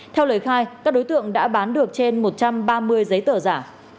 theo lời khai các đối tượng đã bán được trên một trăm ba mươi giấy tờ giả